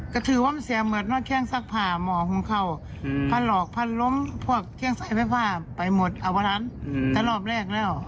ก็ถือว่ามันเสียเหมือนนอกแข่งสักผ่าหมอคุณเขาพันหลอกพันล้มพวกแข่งสายไฟฟ้าไปหมดอเวอรันแต่รอบแรกแล้ว